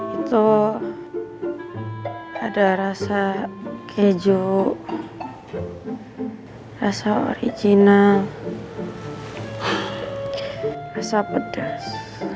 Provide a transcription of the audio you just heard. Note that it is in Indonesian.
itu ada rasa keju rasa origina rasa pedas